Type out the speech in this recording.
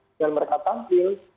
dan mereka tampil